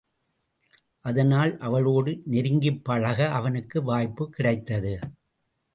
அதனால் அவளோடு நெருங்கிப் பழக அவனுக்கு வாய்ப்புக் கிடைத்தது.